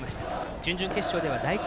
準々決勝では第１